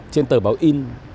trên tờ báo in